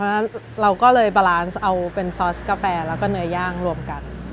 แล้วเราก็เลยบาลานซ์เอาเป็นซอสกาแฟแล้วก็เนื้อย่างรวมกัน